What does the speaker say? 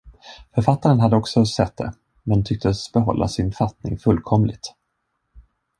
Författaren hade också sett det, men tycktes behålla sin fattning fullkomligt.